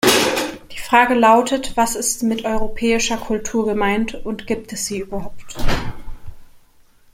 Die Frage lautet, was ist mit europäischer Kultur gemeint, und gibt es sie überhaupt.